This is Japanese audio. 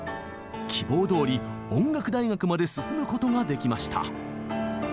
希望どおり音楽大学まで進むことができました。